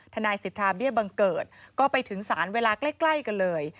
ทนายสิทธาเบี้ยบังเกิดก็ไปถึงศาลเวลาใกล้กันเลย